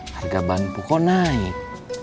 harga bahan pokok naik